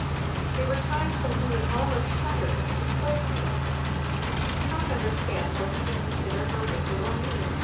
There were times when he would almost shudder if she spoke to him. And she could not understand how he could consider her wicked or mean.